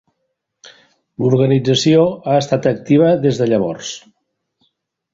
L'organització ha estat activa des de llavors.